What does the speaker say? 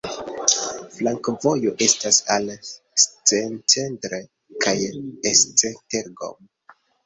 Flankovojo estas al Szentendre kaj Esztergom.